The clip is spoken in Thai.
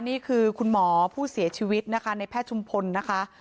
นี่คือคุณหมอผู้เสียชีวิตนะคะในแพทย์ชุมพลนะคะ